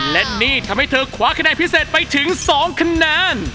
และนี่ทำให้เธอคว้าคะแนนพิเศษไปถึง๒คะแนน